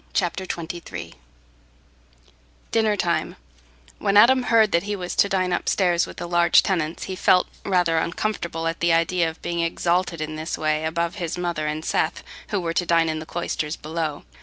Chapter XXIII Dinner Time When Adam heard that he was to dine upstairs with the large tenants, he felt rather uncomfortable at the idea of being exalted in this way above his mother and Seth, who were to dine in the cloisters below.